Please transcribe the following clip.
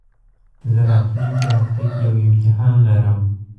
زه راتلونکي هفته کي يو امتحان لرم